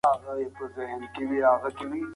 انسان خپله لاره ټاکي.